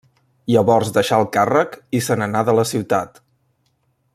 Llavors deixà el càrrec i se n'anà de la ciutat.